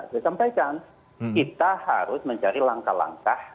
saya sampaikan kita harus mencari langkah langkah